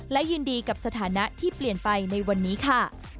และยินดีกับสถานะที่เปลี่ยนไปในวันนี้ค่ะ